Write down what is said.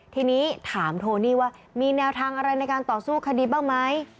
ทีนี้ถามโทนี่ว่ามีแนวทางอะไรในการต่อสู้คดีบ้างไหม